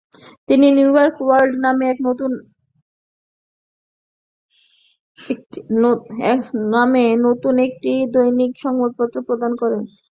তিনি New York world নামে নতুন একটি দৈনিক সংবাদপত্র প্রকাশ করেন।